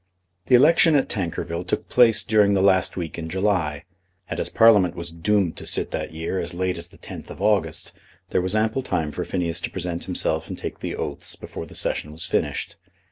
The election at Tankerville took place during the last week in July; and as Parliament was doomed to sit that year as late as the 10th of August, there was ample time for Phineas to present himself and take the oaths before the Session was finished.